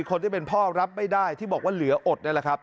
คนที่เป็นพ่อรับไม่ได้ที่บอกว่าเหลืออดนั่นแหละครับ